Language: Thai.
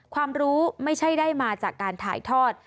ความรู้ไม่ใช่ได้มาจากการถ่ายทอด